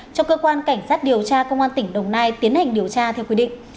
cho cơ quan cảnh sát điều tra công an tỉnh đồng nai tiến hành điều tra theo quy định